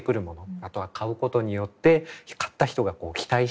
あとは買うことによって買った人が期待していること。